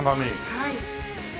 はい。